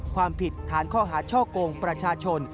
ความผิดทานเข้าหาเชาะโกงประชาชน